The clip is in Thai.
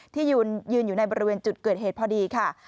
ที่ยืนอยู่ในบริเวณจุดเกิดเหตุพอดีค่ะ